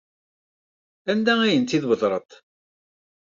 Anda ay tent-id-tbedreḍ?